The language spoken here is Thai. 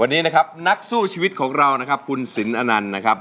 วันนี้นะครับนักสู้ชีวิตของเรานะครับคุณสินอนันต์นะครับ